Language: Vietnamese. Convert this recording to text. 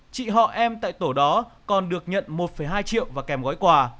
chị họ em tại tổ đó còn được nhận một hai triệu và kèm gói quà